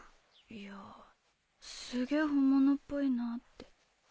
いやすげぇ本物っぽいなぁって。